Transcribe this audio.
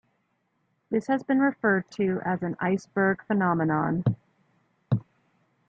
This has been referred to as an "iceberg phenomenon".